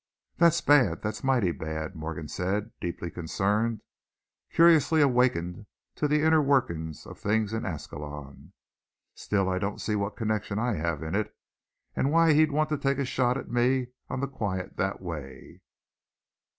"That's bad, that's mighty bad," Morgan said, deeply concerned, curiously awakened to the inner workings of things in Ascalon. "Still, I don't see what connection I have in it, why he'd want to take a shot at me on the quiet that way."